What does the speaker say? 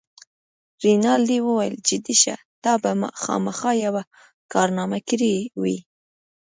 رینالډي وویل: جدي شه، تا به خامخا یوه کارنامه کړې وي.